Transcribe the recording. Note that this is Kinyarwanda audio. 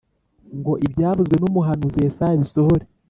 ngo ibyavuzwe n’umuhanuzi Yesaya bisohore